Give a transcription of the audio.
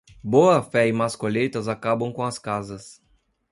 Boa fé e más colheitas acabam com as casas.